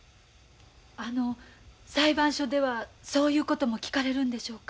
あの裁判所ではそういうことも聞かれるんでしょうか？